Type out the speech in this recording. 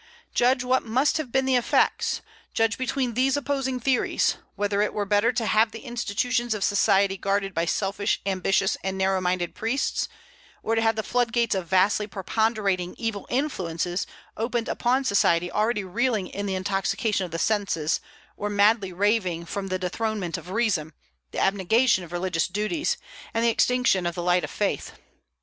Judge what must have been the effects; judge between these opposing theories, whether it were better to have the institutions of society guarded by selfish, ambitious, and narrow minded priests, or to have the flood gates of vastly preponderating evil influences opened upon society already reeling in the intoxication of the senses, or madly raving from the dethronement of reason, the abnegation of religious duties, and the extinction of the light of faith.